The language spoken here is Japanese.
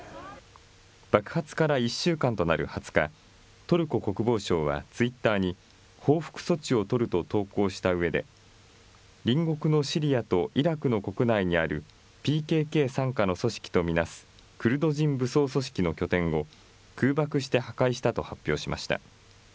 爆発から１週間となる２０日、トルコ国防省はツイッターに報復措置を取ると投稿したうえで、隣国のシリアとイラクの国内にある、ＰＫＫ傘下の組織と見なすクルド人武装組織の拠点を、空爆して破壊したと発表しました。